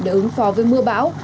để ứng phó với mưa bão